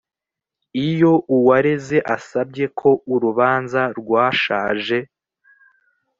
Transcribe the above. iyo uwareze asabye ko urubanza rwashaje